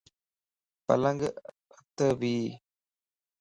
پلنگ ات ٻي